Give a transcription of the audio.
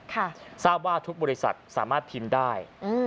ค่ะทุกบริษัทสามารถพิมพ์ได้อืม